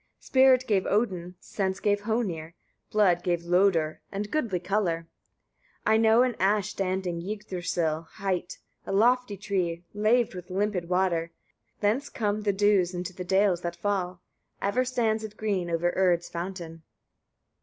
Spirit gave Odin, sense gave Hoenir, blood gave Lodur, and goodly colour. 19. I know an ash standing Yggdrasil hight, a lofty tree, laved with limpid water: thence come the dews into the dales that fall; ever stands it green over Urd's fountain.